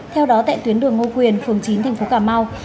theo đó tại tuyến đường ngô quyền phường chín thành phố cà mau